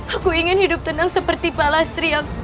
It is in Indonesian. aku ingin hidup tenang seperti palastri yang